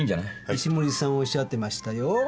石森さんおっしゃってましたよ。